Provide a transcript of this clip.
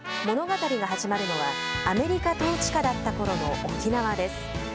物語が始まるのはアメリカ統治下だったころの沖縄です。